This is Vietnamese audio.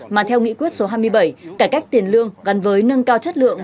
mà theo nghị quyết số hai mươi bảy cải cách tiền lương gắn với nâng cao chất lượng